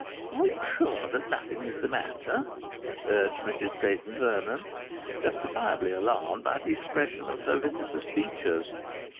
"Are you sure that nothing is the matter?" urged Mrs Clayton Vernon, justifiably alarmed by the expression of her visitor's features.